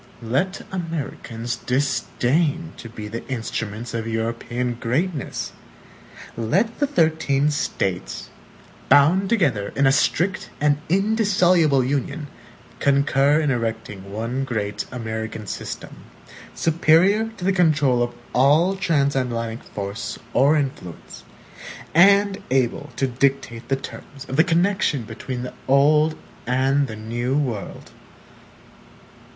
Let Americans disdain to be the instruments of European greatness! Let the thirteen States, bound together in a strict and indissoluble Union, concur in erecting one great American system, superior to the control of all transatlantic force or influence, and able to dictate the terms of the connection between the old and the new world!